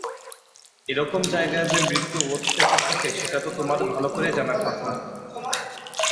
এরকম জায়গায় যে মৃত্যু উত পেতে থাকে সেটা তো তোমার ভালো করেই জানার কথা!